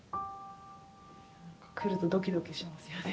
来るとドキドキしますよね。